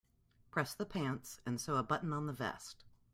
Press the pants and sew a button on the vest.